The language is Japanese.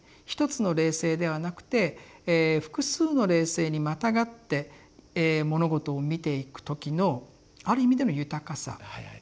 一つの霊性ではなくて複数の霊性にまたがって物事を見ていく時のある意味での豊かさ。